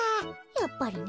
やっぱりね。